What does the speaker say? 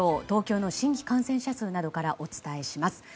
東京の新規感染者数などからお伝えします。